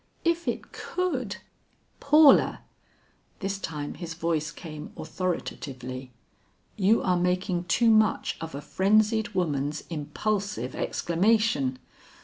If it could " "Paula!" This time his voice came authoritatively. "You are making too much of a frenzied woman's impulsive exclamation.